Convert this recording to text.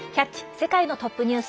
世界のトップニュース」。